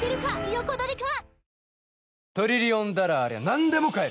横取りか？